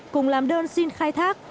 cùng làm đơn xin khai thác